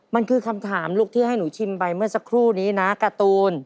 มันคือคำถามลูกที่ให้หนูชิมไปเมื่อสักครู่นี้นะการ์ตูน